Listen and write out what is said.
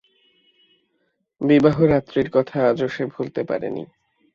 বিবাহরাত্রির কথা আজও সে ভুলতে পারে নি।